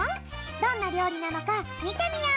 どんなりょうりなのかみてみよう！